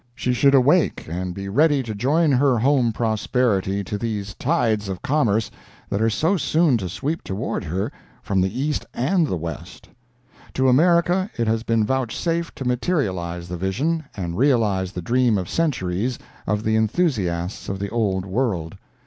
She should awake and be ready to join her home prosperity to these tides of commerce that are so soon to sweep toward her from the east and the west. To America it has been vouchsafed to materialize the vision, and realize the dream of centuries, of the enthusiasts of the old world.